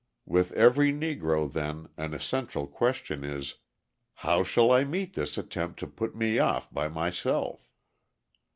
With every Negro, then, an essential question is: "How shall I meet this attempt to put me off by myself?"